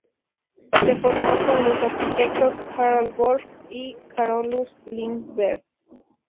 Se formó con los arquitectos Kaarlo Borg y Carolus Lindberg.